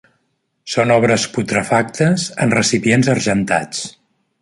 Són obres putrefactes en recipients argentats.